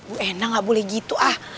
bu ena enggak boleh gitu ah